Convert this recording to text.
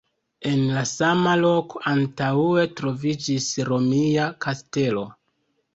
En la sama loko antaŭe troviĝis Romia kastelo.